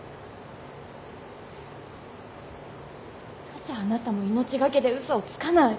「なぜあなたも命懸けで嘘をつかない」。